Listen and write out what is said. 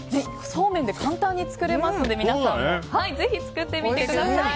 そうめんで簡単に作れますので皆さんもぜひ作ってみてください。